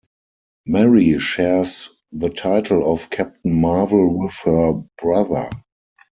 Mary shares the title of Captain Marvel with her brother.